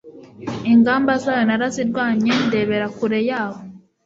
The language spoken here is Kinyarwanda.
Ingamba zayo narazirwanye ndebera kure yaho